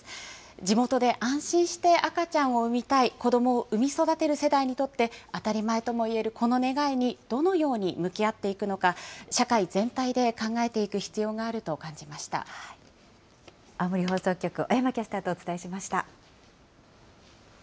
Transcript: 地元で安心して赤ちゃんを産みたい、子どもを産み育てる世代にとって、当たり前ともいえるこの願いに、どのように向き合っていくのか、社会全体で考えていく必要がある青森放送局、小山キャスターとお伝えしました。